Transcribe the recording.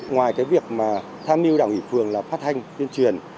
ngoài cái việc mà tham mưu đảng ủy phường là phát thanh tuyên truyền